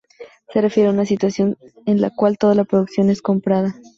Se refiere a una situación en la cual todo lo producido es comprado.